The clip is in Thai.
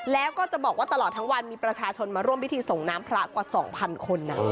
แล้วก็จะบอกว่าตลอดทั้งวันมีประชาชนมาร่วมพิธีส่งน้ำพระกว่า๒๐๐คนนะ